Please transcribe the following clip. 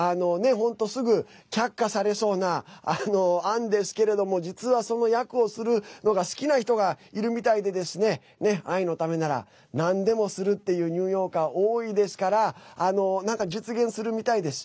すぐ却下されそうな案ですけども実は、その役をするのが好きな人がいるみたいで愛のためならなんでもするっていうニューヨーカー、多いですから実現するみたいです。